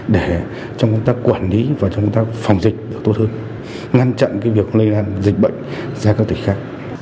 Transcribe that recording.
để cho chúng ta quản lý và cho chúng ta phòng dịch được tốt hơn ngăn chặn việc lây lan dịch bệnh ra các tỉnh khác